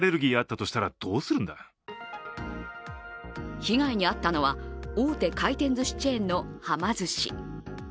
被害に遭ったのは、大手回転ずしチェーンのはま寿司。